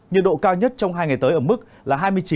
nhiệt độ cao nhất trong hai ngày tới ở mức là hai mươi chín